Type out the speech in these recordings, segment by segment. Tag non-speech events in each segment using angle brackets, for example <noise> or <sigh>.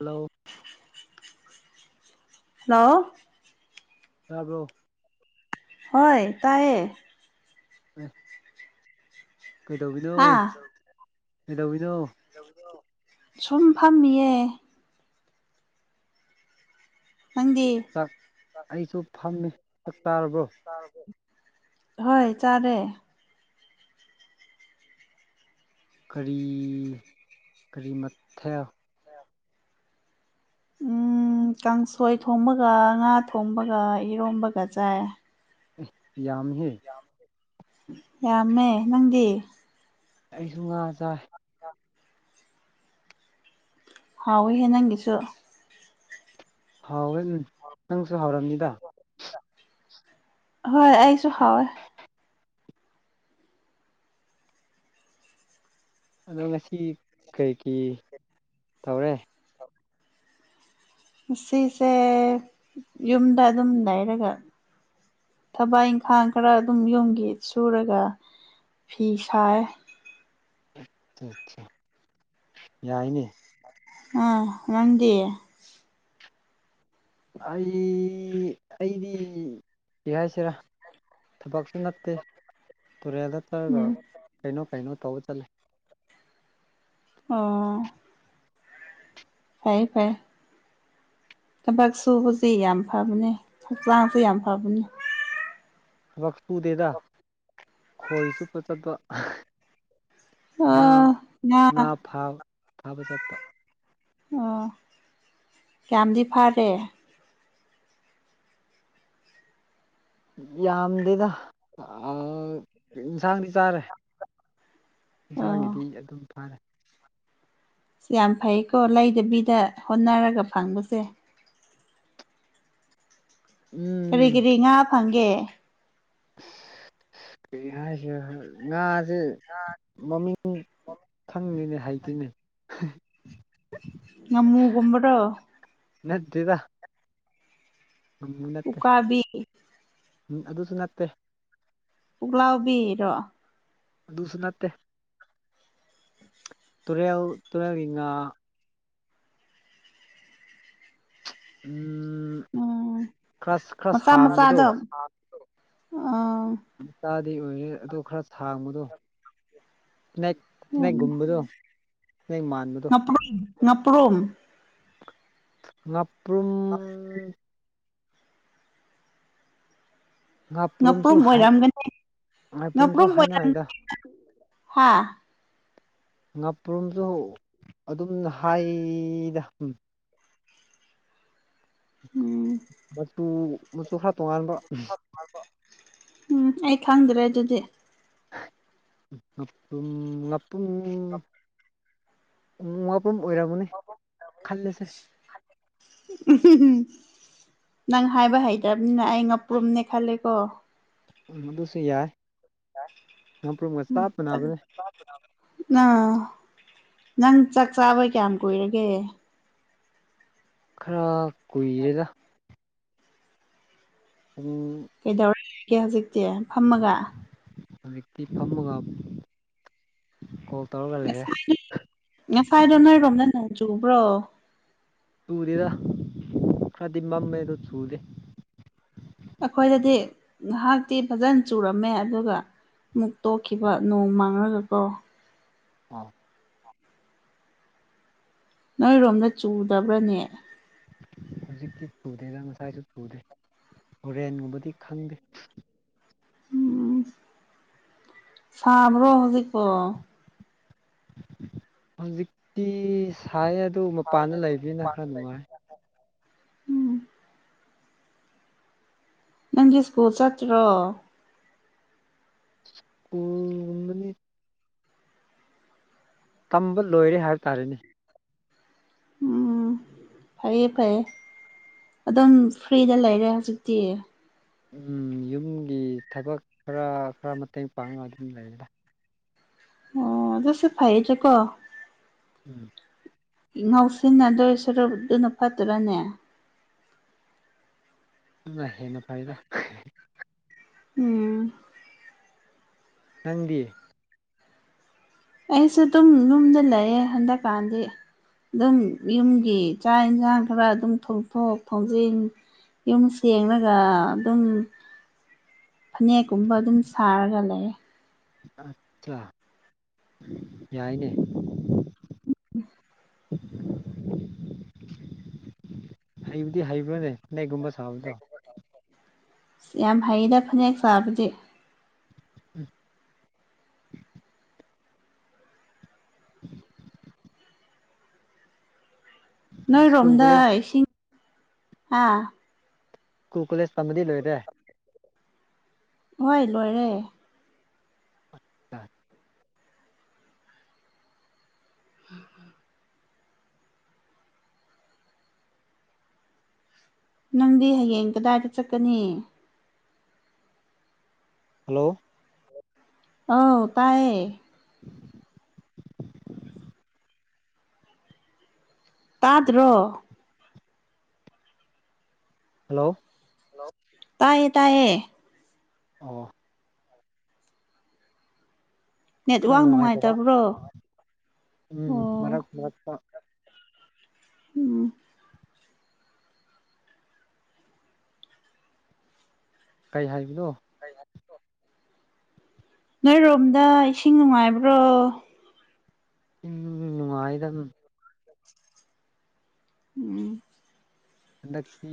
Hello hello ꯇꯥꯕ꯭ꯔꯣ ꯍꯣꯏ ꯇꯥꯏꯌꯦ ꯎ <unintelligible> ꯀꯩꯗꯧꯔꯤꯅꯣ ꯍꯥ ꯀꯩꯗꯧꯔꯤꯅꯣ ꯁꯨꯝ ꯐꯝꯃꯤꯌꯦ ꯅꯪꯗꯤ ꯆꯥꯛ ꯑꯩꯁꯨ ꯐꯝꯃꯦ ꯆꯥꯛ ꯆꯥꯔꯕꯣ ꯆꯥꯔꯕꯣ ꯍꯣꯏ ꯆꯥꯔꯦ ꯀꯔꯤ ꯀꯔꯤ ꯃꯊꯦꯜ ꯎꯝ ꯀꯥꯡꯁꯣꯏ ꯊꯣꯡꯕꯒ ꯉꯥ ꯊꯣꯡꯕꯒ ꯏꯔꯣꯝꯕꯒ ꯆꯥꯏ ꯌꯥꯝꯃꯤꯍꯦ ꯌꯥꯝꯃꯦ ꯅꯪꯗꯤ ꯑꯩꯁꯨ ꯉꯥ ꯆꯥꯏ ꯍꯥꯎꯋꯦꯍꯦ ꯅꯪꯒꯤꯁꯨ ꯍꯥꯎꯋꯦ ꯎꯝ ꯅꯪꯁꯨ ꯍꯥꯎꯔꯝꯅꯤꯗ ꯍꯣꯏ ꯑꯩꯁꯨ ꯍꯥꯎꯋꯦ ꯑꯗꯣ ꯉꯁꯤ ꯀꯩ ꯀꯩ ꯇꯧꯋꯦ ꯉꯁꯤꯁꯦ ꯌꯨꯝꯗ ꯑꯗꯨꯝ ꯂꯩꯔꯒ ꯊꯕꯛ ꯏꯪꯈꯥꯡ ꯈꯔ ꯑꯗꯨꯝ ꯌꯨꯝꯒꯤ ꯁꯨꯔꯒ ꯐꯤ ꯁꯥꯏ ꯑ <unintelligible> ꯑꯠ <unintelligible> ꯌꯥꯏꯅꯦ ꯑꯥ ꯉꯪꯗꯤ ꯑꯩ ꯑꯩꯗꯤ ꯀꯩ ꯍꯥꯏꯁꯤꯔꯥ ꯊꯕꯛꯁꯨ ꯅꯠꯇꯦ ꯇꯨꯔꯦꯜꯗ ꯆꯠꯂꯒ ꯎꯝ <unintelligible> ꯀꯩꯅꯣ ꯀꯩꯅꯣ ꯇꯧꯕ ꯆꯠꯂꯤ ꯑꯣ ꯐꯩ ꯐꯩ ꯊꯕꯛ ꯁꯨꯕꯁꯤ ꯌꯥꯝ ꯐꯕꯅꯦ ꯍꯛꯆꯥꯡꯁꯨ ꯌꯥꯝ ꯐꯕꯅꯤ ꯊꯕꯛ ꯁꯨꯗꯦꯗ ꯈꯣꯏ ꯆꯨꯞꯄ ꯆꯠꯄ ꯑ ꯉꯥ ꯉꯥ ꯐ ꯐꯥꯕ ꯆꯠꯄ ꯑꯣ ꯀꯌꯥꯝꯗꯤ ꯐꯔꯦ ꯌꯥꯝꯗꯦꯗ ꯑ ꯏꯟꯁꯥꯡ ꯆꯥꯔꯦ ꯑꯣ ꯌꯦꯟꯁꯥꯡꯒꯤꯗꯤ ꯑꯗꯨꯝ ꯐꯥꯔꯦ ꯁꯤ ꯌꯥꯝ ꯐꯩꯀꯣ ꯂꯩꯗꯕꯤꯗ ꯍꯣꯠꯅꯔꯒ ꯐꯪꯕꯁꯦ ꯎꯝ ꯀ꯭ꯔꯤ ꯀ꯭‌ꯔꯤ ꯉꯥ ꯐꯪꯒꯦ ꯀꯩ ꯍꯥꯏꯁꯤꯔ ꯉꯥꯁꯦ ꯑ <unintelligible> ꯃꯃꯤꯡ ꯈꯪꯉꯗꯦꯅꯦ ꯍꯩꯇꯦꯅꯦ ꯉꯃꯨꯒꯨꯝꯕꯔꯣ ꯅꯠꯇꯦꯗ ꯉꯥꯃꯨ ꯅꯠ ꯎꯀꯥꯕꯤ ꯎꯝ ꯑꯗꯨꯁꯨ ꯅꯠꯇꯦ ꯄꯨꯛꯂꯥꯎꯕꯤꯔꯣ ꯑꯗꯨꯁꯨ ꯅꯠꯇꯦ ꯇꯨꯔꯦꯜ ꯇꯨꯔꯦꯜꯒꯤ ꯉꯥ ꯎꯝ ꯈꯔ ꯑ ꯈꯔ ꯃꯆꯥ ꯁꯥꯡꯕꯗꯣ ꯃꯆꯥꯗꯣ ꯑ ꯃꯆꯥꯗꯤ ꯑꯣꯏꯔꯦ ꯑꯗꯣ ꯈꯔ ꯁꯥꯡꯕꯗꯣ ꯏꯁꯅꯦꯛ <unintelligible> ꯁ꯭ꯅꯦꯛ ꯎꯝ ꯒꯨꯝꯕꯗꯨꯣ ꯁ꯭ꯅꯦꯛ ꯃꯥꯥꯟꯕꯗꯣ ꯉꯥꯄ꯭ꯔꯨꯝ ꯉꯥꯄ꯭ꯔꯨꯝ ꯉꯥꯄ꯭ꯔꯨꯝ ꯉꯥꯄ꯭ꯔꯨꯝꯁꯨ ꯉꯥꯄ꯭ꯔꯨꯝ ꯍꯥꯏ ꯑꯣꯏꯔꯝꯒꯅꯤ ꯉꯥꯄ꯭ꯔꯨꯝꯁꯨ ꯉꯥꯄ꯭ꯔꯨꯝ ꯑꯣꯏꯔꯝ ꯍꯥꯏꯅꯩꯗ ꯍꯥ ꯉꯥꯄ꯭ꯔꯨꯝꯁꯨ ꯑꯗꯨꯝ ꯍꯥꯏꯗ ꯎꯝ ꯃꯆꯨ ꯃꯆꯨ ꯈꯔ ꯇꯣꯡꯉꯥꯟꯕ ꯎꯝ ꯑꯩ ꯈꯪꯗ꯭ꯔꯦ ꯑꯗꯨꯗꯤ ꯉꯥꯄ꯭ꯔꯨꯝ ꯉꯥꯄ꯭ꯔꯨꯝ ꯉꯥ ꯑꯣꯏꯔꯝꯃꯅꯤ ꯈꯜꯂꯁꯦ ꯎꯝ ꯅꯪ ꯍꯥꯏꯕ ꯍꯩꯇ꯭ꯔꯥꯕꯅꯤꯅ ꯑꯩ ꯉꯥꯄ꯭ꯔꯨꯝꯅꯦ ꯈꯜꯂꯦꯀꯣ ꯎꯝ ꯑꯗꯨꯁꯨ ꯌꯥꯏ ꯉꯥꯄ꯭ꯔꯨꯝꯒ ꯆꯥꯞ ꯃꯥꯟꯅꯕꯅꯦ ꯅ꯫ ꯅꯪ ꯆꯥꯛ ꯆꯥꯕꯥ ꯀꯌꯥꯝ ꯀꯨꯏꯔꯒꯦ ꯈꯔ ꯀꯨꯢꯔꯦꯗ ꯎꯝ ꯀꯩꯗꯧꯔꯤꯒꯦ ꯍꯧꯖꯤꯛꯇꯤ ꯐꯝꯃꯒ ꯍꯧꯖꯤꯛꯇꯤ ꯐꯝꯃꯒ ꯀꯣꯜ ꯇꯧꯔꯒ ꯂꯩꯔꯦ ꯉꯁꯥꯢꯗꯣ ꯅꯣꯢꯔꯣꯝꯗ ꯅꯣꯡ ꯆꯨꯕ꯭ꯔꯣ ꯆꯨꯗꯦꯗ ꯈꯔꯗꯤ ꯃꯝꯃꯦꯗꯣ ꯆꯨꯗꯦ ꯑꯩꯈꯣꯏꯗꯗꯤ ꯉꯥꯏꯍꯥꯛꯇꯤ ꯐꯖꯅ ꯆꯨꯔꯝꯃꯦ ꯑꯗꯨꯒ ꯃꯨꯛ ꯇꯣꯛꯈꯤꯕ ꯅꯣꯡ ꯃꯥꯡꯂꯒ ꯀꯣ ꯑꯣ ꯅꯣꯏꯔꯣꯝꯗ ꯆꯨꯗꯕ꯭ꯔꯅꯦ ꯍꯧꯖꯤꯛꯇꯤ ꯆꯨꯗꯦꯗ ꯉꯁꯥꯏꯁꯨ ꯆꯨꯗꯦ ꯍꯣꯔꯦꯟꯒꯨꯝꯕꯗꯤ ꯈꯪꯗꯦ ꯎꯝ ꯁꯥꯕ꯭ꯔꯣ ꯍꯧꯖꯤꯛꯕꯣ ꯍꯧꯖꯤꯛꯇꯤ ꯁꯥꯏꯌꯦ ꯑꯗꯨ ꯃꯄꯥꯟꯗ ꯂꯩꯕꯅꯤꯅ ꯈꯔ ꯅꯨꯡꯉꯥꯏ ꯎꯝ ꯅꯪꯒꯤ ꯁ꯭ꯀꯨꯜ ꯆꯠꯇ꯭ꯔꯣ ꯁ꯭ꯀꯨꯜ ꯒꯨꯝꯕꯗꯤ ꯇꯝꯕ ꯂꯣꯏꯔꯦ ꯍꯥꯏꯕ ꯇꯥꯔꯦꯅꯦ ꯎꯝ ꯐꯩꯌꯦ ꯐꯩꯌꯦ ꯑꯗꯨꯝ ꯐ꯭ꯔꯤꯗ ꯂꯩꯔꯦ ꯍꯧꯖꯤꯛꯇꯤ ꯎꯝ ꯌꯨꯝꯒꯤ ꯊꯕꯛ ꯈꯔ ꯈꯔ ꯃꯇꯦꯡ ꯄꯥꯡꯉ ꯑꯗꯨꯝ ꯂꯩꯗ ꯑꯣ ꯑꯗꯨꯁꯨ ꯐꯩꯗ ꯒꯣ ꯎꯝ ꯉꯥꯎꯁꯤꯟꯅꯗꯣꯏ ꯁꯔꯨꯛ ꯑꯗꯨꯅ ꯐꯠꯇ꯭ꯔꯥꯅꯦ ꯑꯗꯨꯅ ꯍꯦꯟꯅ ꯐꯩꯗ ꯎꯝ ꯅꯪꯗꯤ ꯑꯩꯁꯨ ꯑꯗꯨꯝ ꯌꯨꯝꯗ ꯂꯩꯌꯦ ꯍꯟꯗꯛꯀꯥꯟꯗꯤ ꯑꯗꯨꯝ ꯌꯨꯝꯒꯤ ꯆꯥꯛ ꯏꯟꯁꯥꯡ ꯈꯔ ꯑꯗꯨꯝ ꯊꯣꯡꯗꯣꯡ ꯊꯣꯡꯖꯤꯟ ꯌꯨꯝ ꯁꯦꯡꯔꯒ ꯑꯗꯨꯝ ꯐꯅꯦꯛꯒꯨꯝꯕ ꯑꯗꯨꯝ ꯁꯥꯔꯒ ꯂꯩꯌꯦ ꯑꯆꯥ ꯌꯥꯏꯅꯦ ꯍꯩꯕꯗꯤ ꯍꯩꯕ꯭ꯔꯥꯅꯦ ꯐꯅꯦꯛꯒꯨꯝꯕ ꯁꯥꯕꯗꯣ ꯌꯥꯝ ꯍꯩꯗ ꯐꯅꯦꯛ ꯆꯥꯕꯗꯤ ꯎꯝ <inaudible> <unintelligible> ꯁ꯭ꯀꯨꯜ ꯅꯣꯏꯔꯣꯝꯗ ꯀꯣꯂꯦꯖ ꯏꯁꯤꯡ ꯍꯥ ꯀꯨꯀꯣꯂꯦꯖ ꯇꯝꯕꯗꯤ ꯂꯣꯏꯔꯦ <unintelligible> ꯍꯣꯏ ꯂꯣꯏꯔꯦ <unintelligible> <inaudible> ꯅꯪꯗꯤ ꯍꯌꯦꯡ ꯀꯗꯥꯏꯗ ꯆꯠꯀꯅꯤ ꯍꯜꯂꯣ ꯑꯧ ꯇꯥꯏꯌꯦ <unintelligible> ꯇꯥꯗ꯭ꯔꯣ ꯍꯜꯂꯣ ꯍꯜꯂꯣ ꯇꯥꯌꯦ ꯇꯥꯌꯦ ꯑꯣ ꯈꯔ ꯅꯦꯠꯋꯥꯛ ꯅꯨꯡꯉꯥꯏꯗꯕ ꯅꯨꯡꯉꯥꯏꯇꯕ꯭ꯔꯣ ꯎꯝ ꯑꯣ ꯃꯔꯛ ꯃꯔꯛꯇ ꯎꯝ ꯀꯩ ꯍꯥꯏꯕꯅꯣ ꯀꯩ ꯍꯥꯏ ꯅꯣꯏꯔꯣꯝꯗ ꯏꯁꯤꯡ ꯅꯨꯡꯉꯥꯏꯕ꯭ꯔꯣ <unintelligible> ꯅꯨꯡꯉꯥꯏꯗ ꯎꯝ ꯍꯟꯗꯛꯇꯤ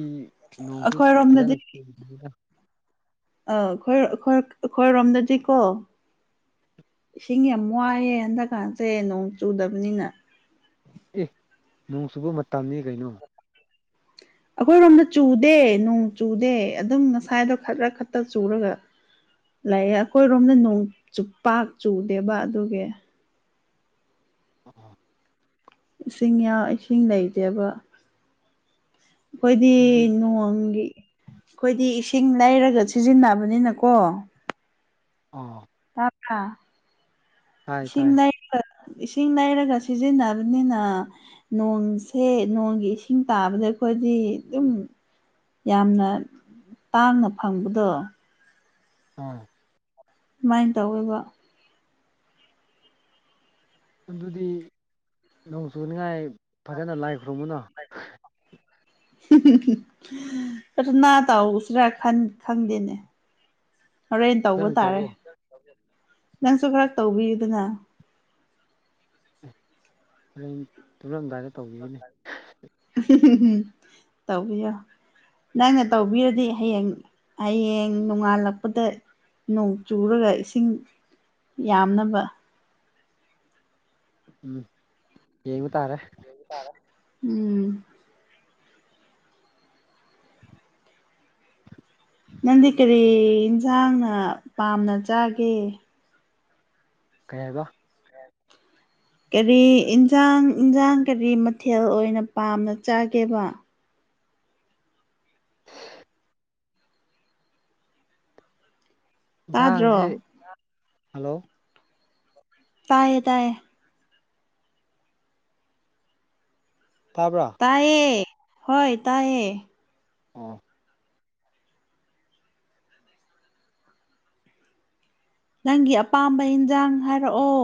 ꯅꯣꯡꯁꯨ ꯑꯩꯈꯣꯏꯔꯣꯝꯗꯗꯤ ꯐꯖꯅ <unintelligible> ꯑ ꯑꯈꯣꯏ ꯑꯈꯣꯏ ꯑꯈꯣꯏꯔꯣꯝꯗꯗꯤꯀꯣ ꯏꯁꯤꯡ ꯌꯥꯝ ꯋꯥꯏꯑꯦ ꯍꯟꯛꯀꯥꯟꯁꯦ ꯅꯣꯡ ꯆꯨꯗꯕ꯭ꯅꯤꯅ ꯑꯦ ꯅꯣꯡ ꯆꯨꯕ ꯃꯇꯝꯅꯤ ꯀꯩꯅꯣ ꯑꯈꯣꯏꯔꯣꯝꯗ ꯆꯨꯗꯦ ꯅꯣꯡ ꯆꯨꯗꯦ ꯑꯗꯨꯝ ꯉꯁꯥꯏꯗꯣ ꯈꯔ ꯈꯠꯂ ꯆꯨꯔꯒ ꯂꯩꯌꯦ ꯑꯈꯣꯏꯔꯣꯝꯗ ꯅꯣꯡ ꯆꯨꯄꯥꯛ ꯆꯨꯗꯦꯕ ꯑꯗꯨꯒꯤ ꯑꯣ ꯏꯁꯤꯡꯌꯥ ꯏꯁꯤꯡ ꯂꯩꯇꯦꯕ ꯑꯈꯣꯏꯗꯤ ꯑꯗꯨꯗꯤ ꯅꯣꯡꯒꯤ ꯈꯣꯏꯗꯤ ꯏꯁꯤꯡ ꯂꯩꯔꯒ ꯁꯤꯖꯤꯟꯅꯕꯅꯤꯅꯀꯣ ꯑꯥ ꯇꯥꯕ꯭ꯔꯥ ꯇꯥꯏ ꯏꯁꯤꯡ ꯇꯥꯏ ꯂꯩ <unintelligible> ꯏꯁꯤꯡ ꯂꯩꯔꯒ ꯁꯤꯖꯤꯟꯅꯕꯅꯤꯅ ꯅꯣꯡꯁꯦ ꯅꯣꯡꯒꯤ ꯏꯁꯤꯡ ꯇꯥꯕꯗ ꯑꯈꯣꯏꯗꯤ ꯑꯗꯨꯝ ꯌꯥꯝꯅ ꯇꯥꯡꯅ ꯐꯪꯕꯗꯣ ꯑꯥ ꯁꯨꯃꯥꯏꯟ ꯇꯧꯋꯦꯕ ꯑꯗꯨꯗꯤ ꯅꯣꯡ ꯆꯨꯅꯤꯉꯥꯏ ꯐꯖꯅ ꯂꯥꯏ ꯈꯨꯔꯝꯃꯨꯅ ꯄ꯭ꯔꯊꯅꯥ ꯇꯧꯁꯤꯔꯥ ꯈꯪꯗꯦꯅꯦ ꯍꯣꯔꯦꯟ ꯇꯧꯕ ꯐꯖꯅ ꯇꯥꯔꯦ ꯇꯧꯔꯣ ꯅꯪꯁꯨ ꯈꯔ ꯇꯧꯕꯤꯌꯨꯗꯅ ꯍꯣꯔꯦꯟ ꯇꯨꯝꯔꯝꯗꯥꯏꯗ ꯇꯧꯕꯤꯒꯦꯅꯦ ꯇꯧꯕꯤꯌꯣ ꯅꯪꯅ ꯇꯧꯕꯤꯔꯗꯤ ꯍꯌꯦꯡ ꯍꯌꯦꯡ ꯅꯣꯡꯉꯥꯜꯂꯛꯄꯗ ꯅꯣꯡ ꯆꯨꯔꯒ ꯏꯁꯤꯡ ꯌꯥꯝꯅꯕ ꯎꯝ ꯌꯦꯡꯕ ꯇꯥꯔꯦ ꯇꯥꯔꯦ ꯎꯝ ꯅꯪꯗꯤ ꯀꯔꯤ ꯏꯟꯖꯥꯡꯅ ꯄꯥꯝꯅ ꯆꯥꯒꯦ ꯀꯩ ꯍꯥꯏꯕ ꯀꯔꯤ ꯏꯟꯖꯥꯡ ꯏꯟꯖꯥꯡ ꯀꯔꯤ ꯃꯊꯦꯜ ꯑꯣꯏꯅ ꯄꯥꯝꯅ ꯆꯥꯒꯦꯕ ꯏꯟꯁꯥꯡꯁꯦ ꯇꯥꯗ꯭ꯔꯣ ꯍꯜꯂꯣ ꯇꯥꯏꯌꯦ ꯇꯥꯏꯌꯦ ꯇꯥꯕ꯭ꯔ ꯇꯥꯏꯌꯦ ꯍꯣꯏ ꯇꯥꯏꯌꯦ ꯑꯣ ꯅꯪꯒꯤ ꯑꯄꯥꯝꯕ ꯏꯟꯖꯥꯡ ꯍꯥꯏꯔꯛꯑꯣ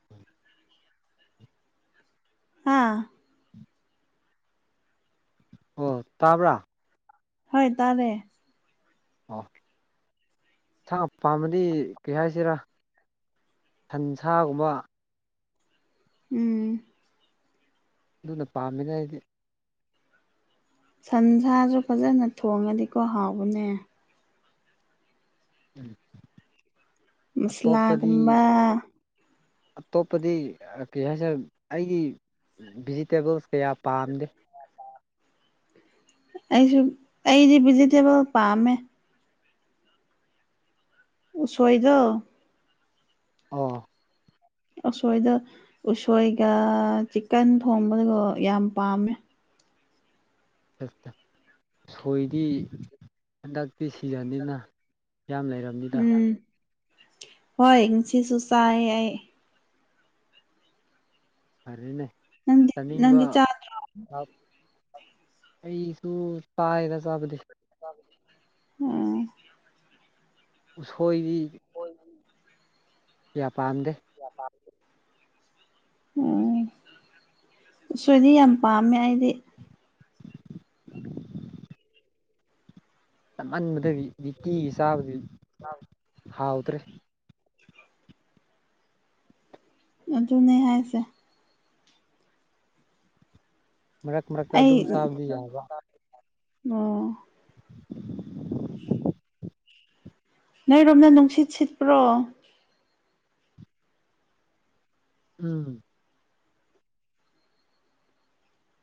<inaudible> ꯍꯥ ꯑꯣ ꯇꯥꯕ꯭ꯔ ꯍꯣꯏ ꯇꯥꯔꯦ ꯑꯣ ꯏꯟꯁꯥꯡ ꯄꯥꯝꯕꯗꯤ ꯀꯔꯤ ꯍꯥꯏꯁꯤꯔ ꯁꯟꯁꯥꯒꯨꯝꯕ ꯎꯝ ꯑꯗꯨꯅ ꯄꯥꯝꯃꯤꯗ ꯑꯩꯗꯤ ꯁꯟꯁꯥꯖꯨ ꯐꯖꯅ ꯊꯣꯡꯉꯗꯤꯀꯣ ꯍꯥꯎꯕꯅꯦ ꯑꯇꯣꯞꯄꯗꯤ ꯃꯁꯂꯥꯒꯨꯝꯕ ꯑꯇꯣꯞꯄꯗꯤ ꯀꯔꯤ ꯍꯥꯏꯁꯤꯔ ꯑꯩꯒꯤ ꯚꯤꯖꯤꯇꯦꯕꯜꯁ ꯀꯌꯥ ꯄꯥꯝꯗꯦ ꯑꯩꯁꯨ ꯑꯩꯗꯤ ꯚꯤꯖꯤꯇꯦꯕꯜ ꯄꯥꯝꯃꯦ ꯎꯁꯣꯏꯗꯣ ꯑꯧ ꯑꯁꯣꯏꯗ ꯎꯁꯣꯏꯒ ꯆꯤꯛꯀꯟ ꯊꯣꯡꯕꯒꯗꯣ ꯌꯥꯝ ꯄꯥꯝꯃꯦ <unintelligible> ꯎꯁꯣꯏꯗꯤ ꯍꯟꯗꯛꯇꯤ ꯁꯤꯖꯟꯅꯤꯅ ꯌꯥꯝ <unintelligible> ꯎꯝ ꯍꯣꯏ ꯉꯁꯤꯁꯨ ꯆꯥꯏꯌꯦ ꯑꯩ ꯐꯔꯦꯅꯦ ꯅꯪꯗꯤ ꯆꯥꯅꯤꯡꯕ ꯅꯪꯗꯤ ꯆꯥ <unintelligible> ꯑꯩꯁꯨꯨ ꯆꯥꯏꯗ ꯆꯥꯕꯗꯤ <unintelligible> ꯎꯝ ꯎꯁꯣꯏꯗꯤ ꯀꯌꯥ ꯄꯥꯝꯗꯦ ꯀꯌꯥ ꯄꯥꯝꯗꯦ ꯎꯝ ꯎꯁꯣꯏꯗꯤ ꯌꯥꯝ ꯄꯥꯝꯃꯦ ꯑꯩꯗꯤ ꯇꯝꯃꯟꯕꯗꯒꯤ <unintelligible> ꯆꯥꯕꯗꯤ <unintelligible> ꯍꯥꯎꯇ꯭ꯔꯦ ꯑꯗꯨꯅꯦ ꯍꯥꯏꯁꯦ ꯃꯔꯛ ꯃꯔꯛꯇ ꯑꯩ ꯑꯗꯨꯝ ꯑꯣ ꯆꯥꯕꯗꯤ ꯌꯥꯕ ꯅꯣꯏꯔꯣꯝꯗ ꯅꯨꯡꯁꯤꯠ ꯁꯤꯠꯄ꯭ꯔꯣ ꯎꯝ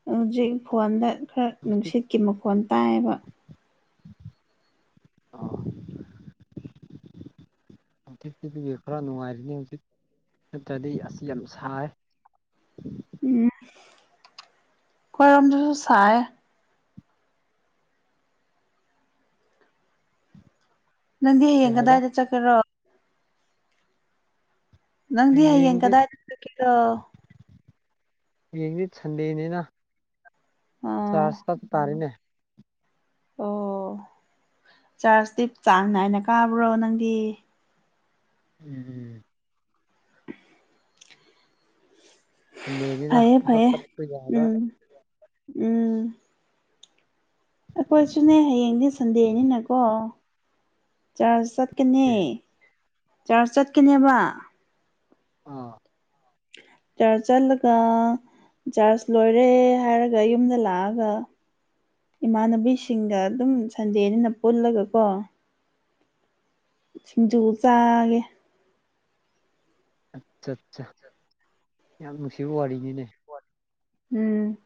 ꯍꯧꯖꯤꯛ ꯐꯣꯟꯗ ꯈꯔ ꯅꯨꯡꯁꯤꯠ ꯅꯨꯡꯁꯤꯠꯀꯤ ꯃꯈꯣꯟ ꯇꯥꯏꯌꯦꯕ ꯑ <inaudible> ꯈꯔ ꯅꯨꯡꯉꯥꯏꯕꯅꯦ ꯍꯧꯖꯤꯛ ꯅꯠꯇ꯭ꯔꯗꯤ ꯑꯁ ꯌꯥꯝ ꯁꯥꯏ ꯎꯝ ꯈꯣꯏꯔꯣꯝꯗꯁꯨ ꯆꯥꯏ ꯅꯪꯗꯤ ꯀꯩ ꯍꯌꯦꯡ ꯍꯥꯏꯕ ꯀꯗꯥꯏꯗ ꯆꯠꯀꯦꯔꯣ ꯅꯪꯗꯤ ꯍꯌꯦꯡ ꯍꯌꯦꯡꯗꯤ ꯀꯗꯥꯏꯗ ꯆꯠꯀꯦꯔꯣ ꯌꯦꯡꯗꯤ ꯁꯟꯗꯦꯅꯤꯅ ꯆꯥꯔꯖ ꯑꯥ ꯆꯥ꯭ꯔ꯭ꯁ ꯀꯛ ꯇꯥꯔꯦꯅꯦ ꯋꯥꯎ ꯆꯥꯔꯖꯇꯤ ꯆꯥꯡ ꯅꯥꯏꯅ ꯀꯥꯕ꯭ꯔꯣ ꯅꯪꯗꯤ ꯎꯝ ꯎꯝ ꯁꯟꯗꯦꯅꯤꯅ ꯐꯩꯌꯦ ꯊꯕꯛ ꯐꯩꯌꯦ ꯆꯠꯄ ꯌꯥꯔꯣꯏ ꯎꯝ ꯎꯝ ꯑꯩꯈꯣꯏꯁꯨꯅꯦ ꯍꯌꯦꯡꯗꯤ ꯁꯟꯗꯦꯅꯤꯅꯀꯣ ꯆꯔꯆ ꯆꯠꯀꯅꯤ ꯑꯦ ꯆꯔꯆ ꯆꯠꯀꯅꯦꯕ ꯑꯥ ꯆꯥꯔꯆ ꯆꯠꯂꯒ ꯆꯥꯔꯆ ꯂꯣꯏꯔꯦ ꯍꯥꯏꯔꯒ ꯌꯨꯝꯗ ꯂꯥꯛꯑꯒ ꯏꯃꯥꯟꯅꯕꯤꯁꯤꯡꯗ ꯑꯗꯨꯝ ꯁꯟꯗꯦꯅꯤꯅ ꯄꯨꯜꯂꯒꯀꯣ ꯁꯤꯡꯖꯨ ꯆꯥꯒꯦ ꯑꯆꯠ ꯆꯥ ꯌꯥꯝ ꯅꯨꯡꯁꯤꯕ ꯋꯥꯔꯤꯅꯤꯅꯦ ꯎꯝ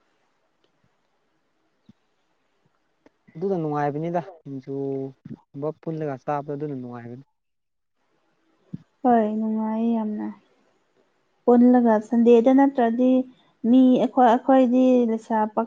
ꯑꯗꯨꯅ ꯅꯨꯡꯉꯥꯏꯕꯅꯤꯗ ꯁꯤꯡꯖꯨꯒꯨꯝꯕ ꯄꯨꯜꯂꯒ ꯆꯥꯕꯗ ꯑꯗꯨꯅ ꯅꯨꯡꯉꯥꯏꯕꯅꯤ ꯍꯣꯏ ꯅꯨꯡꯉꯥꯏ ꯌꯥꯝꯅ ꯄꯨꯜꯂꯒ ꯁꯟꯗꯦꯗ ꯅꯠꯇ꯭ꯔꯗꯤ ꯃꯤ ꯑꯩꯈꯣꯏ ꯑꯩꯈꯣꯏꯗꯤ ꯂꯩꯁꯥ ꯄꯥꯈꯪ